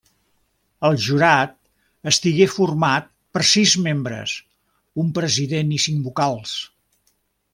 El jurat estigué format per sis membres: un president i cinc vocals.